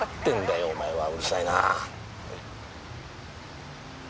お前はうるさいなあ！